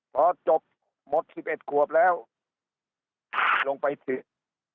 พอจบหมดสิบเอ็ดขวบแล้วลงไปถึง